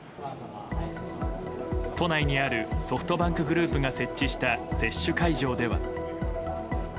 都内にあるソフトバンクグループが設置した接種会場では。